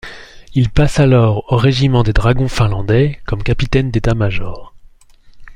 Il passe alors au régiment des Dragons Finlandais, comme capitaine d'état-major.